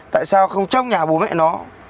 tại sao không chóc nhà bố mẹ nó